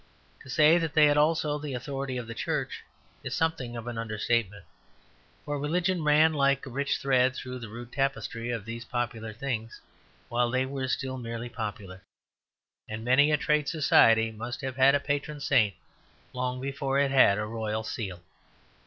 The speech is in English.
To say that they had also the authority of the Church is something of an understatement; for religion ran like a rich thread through the rude tapestry of these popular things while they were still merely popular; and many a trade society must have had a patron saint long before it had a royal seal.